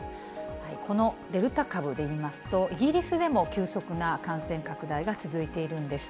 このデルタ株で言いますと、イギリスでも急速な感染拡大が続いているんです。